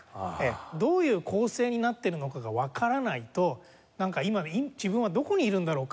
どういう構成になっているのかがわからないとなんか今自分はどこにいるんだろうかと。